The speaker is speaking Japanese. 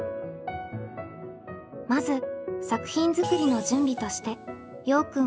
まず作品作りの準備としてよう